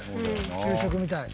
昼食見たい。